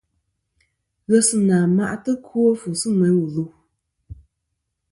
Ghesɨnà ma'tɨ ɨkwo fu sɨ ŋweyn wu lu.